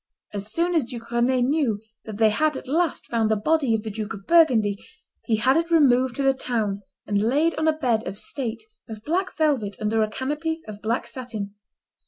As soon as Duke Rend knew that they had at last found the body of the Duke of Burgundy, he had it removed to the town, and laid on a bed of state of black velvet, under a canopy of black satin.